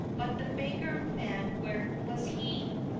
But the beggar man, where was he?